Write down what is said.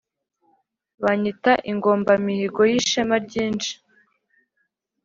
Banyita Ingombamihigo y’ishema ryinshi.